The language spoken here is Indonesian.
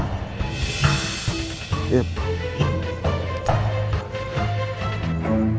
aduh jangan sampai dia tau gue di jakarta